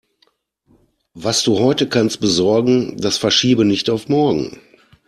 Was du heute kannst besorgen, das verschiebe nicht auf morgen.